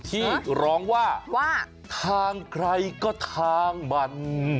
ที่ร้องว่าว่าทางใครก็ทางมัน